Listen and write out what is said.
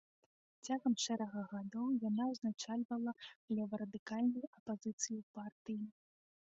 Цягам шэрага гадоў яна ўзначальвала леварадыкальную апазіцыю ў партыі.